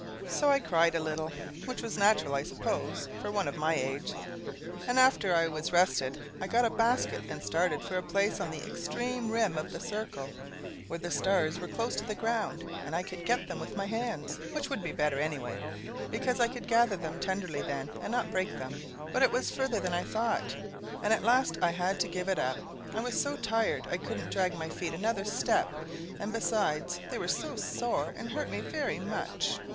So I cried a little, which was natural, I suppose, for one of my age, and after I was rested I got a basket and started for a place on the extreme rim of the circle, where the stars were close to the ground and I could get them with my hands, which would be better, anyway, because I could gather them tenderly then, and not break them. But it was farther than I thought, and at last I had to give it up; I was so tired I couldn't drag my feet another step; and besides, they were sore and hurt me very much.